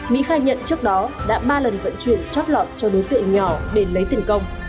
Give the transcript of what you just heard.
mỹ khai nhận trước đó đã ba lần vận chuyển chót lọt cho đối tượng nhỏ để lấy tiền công